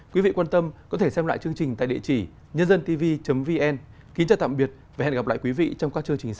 quý vị quan tâm có thể xem lại chương trình tại địa chỉ nhândântv vn kính chào tạm biệt và hẹn gặp lại quý vị trong các chương trình sau